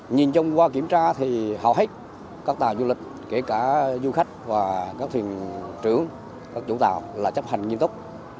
nhìn chung qua kiểm tra thì hầu hết các tàu du lịch kể cả du khách và các thuyền trưởng các chủ tàu là chấp hành nghiêm túc